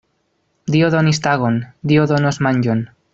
Dio donis tagon, Dio donos manĝon.